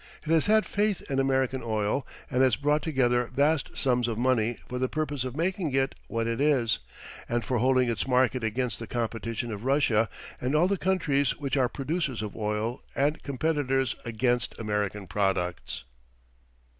It has had faith in American oil and has brought together vast sums of money for the purpose of making it what it is, and for holding its market against the competition of Russia and all the countries which are producers of oil and competitors against American products.